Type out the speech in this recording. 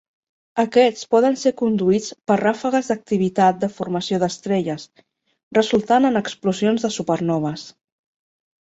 Aquests poden ser conduïts per ràfegues d'activitat de formació d'estrelles, resultant en explosions de supernoves.